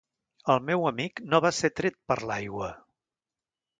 El meu amic no va ser tret per l'aigua...